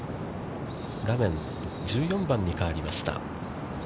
画面は１４番に変わりました。